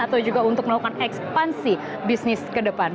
atau juga untuk melakukan ekspansi bisnis kedepan